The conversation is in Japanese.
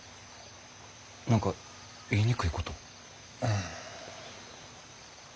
何か言いにくいこと？